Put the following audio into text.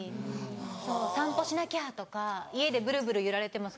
そう「散歩しなきゃ」とか家でブルブル揺られてます